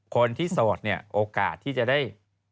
โสดเนี่ยโอกาสที่จะได้